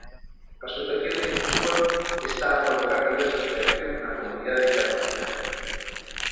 A situación en Cuba está a provocar diversas reaccións na comunidade internacional.